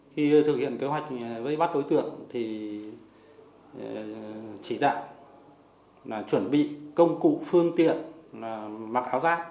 khi thực hiện kế hoạch vây bắt đối tượng thì chỉ đạo là chuẩn bị công cụ phương tiện mặc áo giác chống đạn